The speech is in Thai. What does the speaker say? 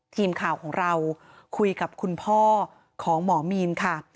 ทีมข่าวของเราคุยกับคุณพ่อของหมอมีนค่ะ